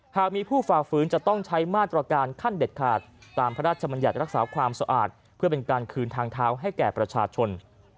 หากมีผู้ฝ่าฝืนจะต้องใช้มาตรการขั้นเด็ดขาดตามพระราชมัญญัติรักษาความสะอาดเพื่อเป็นการคืนทางเท้าให้แก่ประชาชน